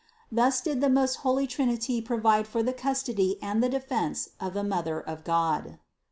Thus did the most holy Trinity provide for the custody and the defense of the Mother of God.